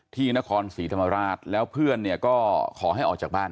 ที่นครศรีธรรมราชแล้วเพื่อนเนี่ยก็ขอให้ออกจากบ้าน